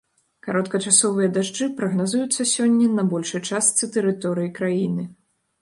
Кароткачасовыя дажджы прагназуюцца сёння на большай частцы тэрыторыі краіны.